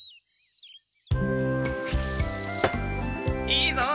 いいぞ！